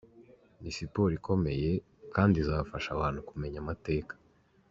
Ni siporo ikomeye kandi izafasha abantu kumenya amateka.